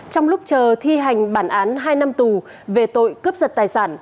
trong lúc chờ thi hành bản án hai năm tù về tội cướp giật tài sản